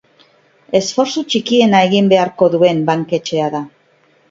Esfortzu txikiena egin beharko duen banketxea da.